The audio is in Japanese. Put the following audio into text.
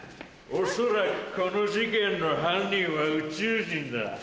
恐らくこの事件の犯人は宇宙人だ。